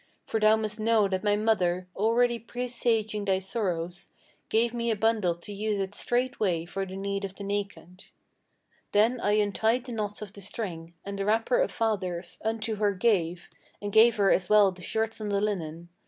For thou must know that my mother, already presaging thy sorrows, Gave me a bundle to use it straightway for the need of the naked,' Then I untied the knots of the string, and the wrapper of father's Unto her gave, and gave her as well the shirts and the linen.